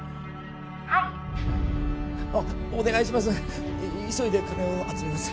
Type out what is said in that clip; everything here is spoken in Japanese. はいお願いします